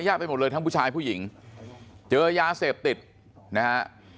ไปหมดเลยทั้งผู้ชายผู้หญิงเจอยาเสพติดนะฮะ